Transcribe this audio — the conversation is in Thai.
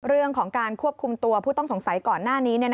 เรื่องของการควบคุมตัวผู้ต้องสงสัยก่อนหน้านี้